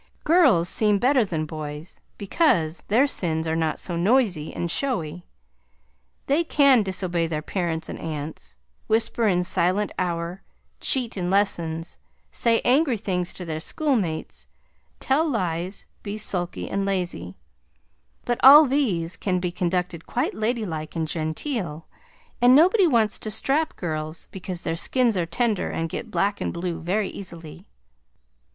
Girls seem better than boys because their sins are not so noisy and showy. They can disobey their parents and aunts, whisper in silent hour, cheat in lessons, say angry things to their schoolmates, tell lies, be sulky and lazy, but all these can be conducted quite ladylike and genteel, and nobody wants to strap girls because their skins are tender and get black and blue very easily.